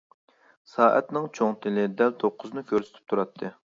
سائەتنىڭ چوڭ تىلى دەل توققۇزنى كۆرسىتىپ تۇراتتى.